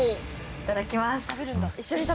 いただきます。